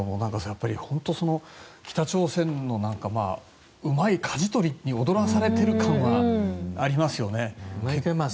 やっぱり北朝鮮のうまいかじ取りに踊らされてる感はありますよね。